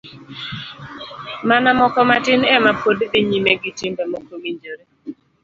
Mana moko matin ema pod dhi nyime gi timbe mokowinjore.